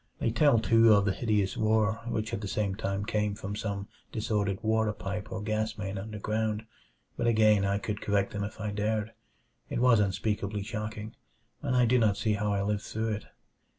They tell, too, of the hideous roar which at the same time came from some disordered water pipe or gas main underground but again I could correct them if I dared. It was unspeakably shocking, and I do not see how I lived through it.